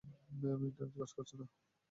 Ma'am, internet কাজ করছে না।